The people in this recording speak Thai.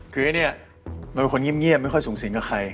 คือเนี่ยมันเป็นคนยิ่มไม่ค่อยสูงสิงค่ะใคร